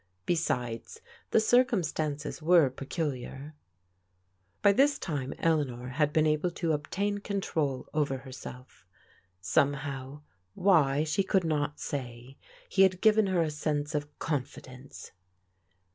Besides, the circumstances were pe culiar. By this time Eleanor had been able to obtain control over herself. Somehow, why, she could not say, he had given her a sense of confidence.